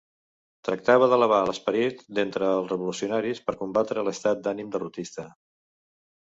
Tractava d'elevar l'esperit d'entre els revolucionaris per combatre l'estat d'ànim derrotista.